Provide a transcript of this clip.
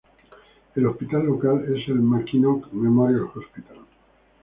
El hospital local es el MacKinnon Memorial Hospital.